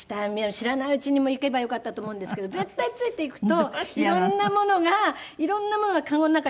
知らないうちに行けばよかったと思うんですけど絶対ついていくといろんなものがいろんなものがカゴの中に入ってるわけですよ。